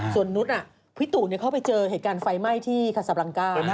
ส่วนนุษย์พี่ตูเข้าไปเจอเหตุการณ์ไฟไหม้ที่คาซับรังกา